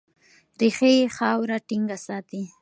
ریښې یې خاوره ټینګه ساتي.